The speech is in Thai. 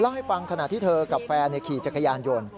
ให้ฟังขณะที่เธอกับแฟนขี่จักรยานยนต์